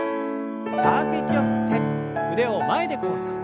深く息を吸って腕を前で交差。